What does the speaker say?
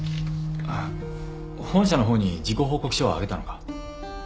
あっ本社の方に事故報告書はあげたのか？